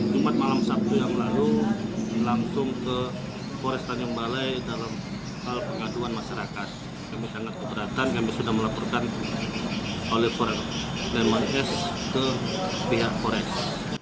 jumat malam sabtu yang lalu